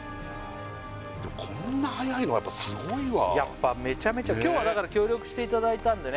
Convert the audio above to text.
でもこんな速いのやっぱすごいわやっぱメチャメチャ今日はだから協力していただいたんでね